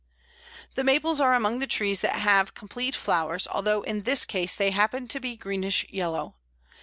The Maples are among the trees that have complete flowers, although in this case they happen to be greenish yellow.